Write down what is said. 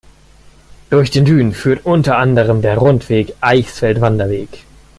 Durch den Dün führt unter anderem der Rundweg Eichsfeld-Wanderweg.